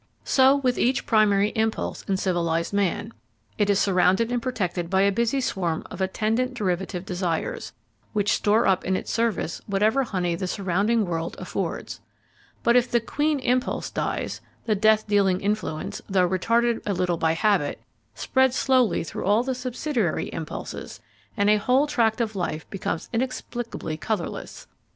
So with each primary impulse in civilised man: it is surrounded and protected by a busy swarm of attendant derivative desires, which store up in its service whatever honey the surrounding world affords. But if the queen impulse dies, the death dealing influence, though retarded a little by habit, spreads slowly through all the subsidiary impulses, and a whole tract of life becomes inexplicably colourless.